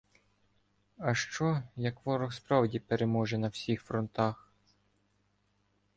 А що, як ворог справді переможе на всіх фронтах?!